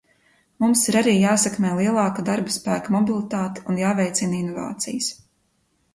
Mums ir arī jāsekmē lielāka darbaspēka mobilitāte un jāveicina inovācijas.